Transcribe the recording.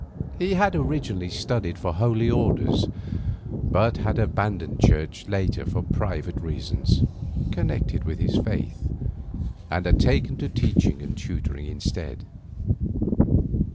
He had originally studied for Holy Orders, but had abandoned the Church later for private reasons connected with his faith, and had taken to teaching and tutoring instead.